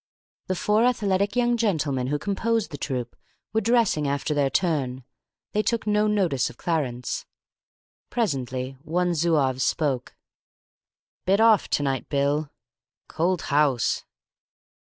The four athletic young gentlemen who composed the troupe were dressing after their turn. They took no notice of Clarence. Presently one Zouave spoke. "Bit off to night, Bill. Cold house."